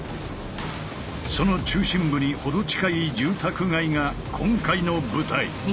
その中心部に程近い住宅街が今回の舞台。